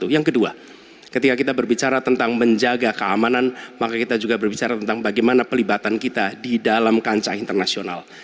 yang kedua ketika kita berbicara tentang menjaga keamanan maka kita juga berbicara tentang bagaimana pelibatan kita di dalam kancah internasional